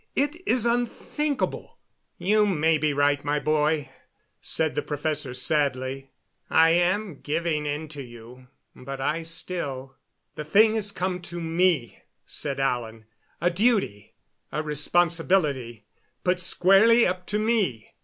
It is unthinkable." "You may be right, my boy," said the professor sadly. "I am giving in to you, but I still " "The thing has come to me," said Alan. "A duty a responsibility put squarely up to me.